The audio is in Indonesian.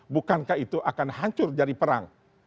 bukankah itu akan hancur jadi perang